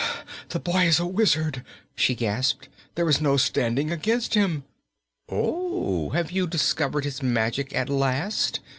"That boy is a wizard!" she gasped. "There is no standing against him." "Oh, have you discovered his magic at last?"